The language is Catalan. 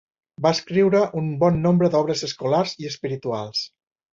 Va escriure un bon nombre d'obres escolars i espirituals.